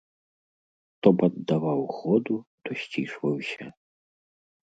То паддаваў ходу, то сцішваўся.